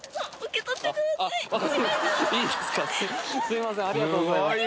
すみません垢瓦い諭ありがとうございます！